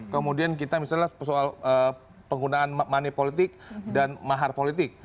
kemudian kita misalnya soal penggunaan money politik dan mahar politik